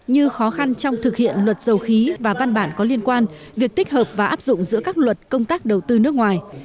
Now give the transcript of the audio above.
như khó khăn trong thực hiện luật dầu khí và văn bản có liên quan việc tích hợp và áp dụng giữa các luật công tác đầu tư nước ngoài